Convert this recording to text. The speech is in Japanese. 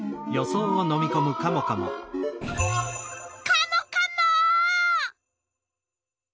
カモカモッ！